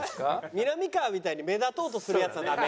みなみかわみたいに目立とうとするヤツはダメ。